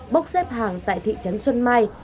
bốc xếp hàng tại thị trấn xuân mai